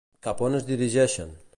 Cap a on es dirigeixen?